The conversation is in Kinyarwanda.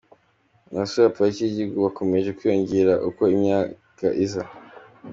Abasura pariki z’igihugu bakomeje kwiyongera uko imyaka iza.